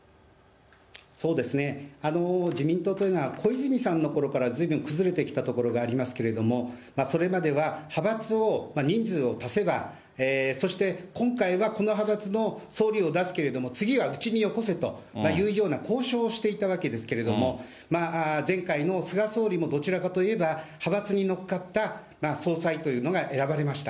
自民党というのは、小泉さんのころからずいぶん崩れてきたところがありますけれども、それまでは派閥を人数を足せば、そして、今回はこの派閥の総理を出すけれども、次はうちによこせというような交渉をしていたわけですけれども、前回の菅総理も、どちらかといえば、派閥に乗っかった総裁というのが選ばれました。